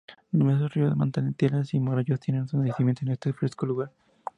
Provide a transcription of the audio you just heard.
Numerosos ríos, manantiales, y arroyos tienen su nacimiento en este fresco lugar.